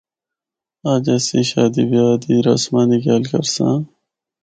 اج اسیں شادی بیاہ دی رسماں دی گل کرساں۔